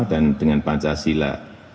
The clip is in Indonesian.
dan dengan pancasila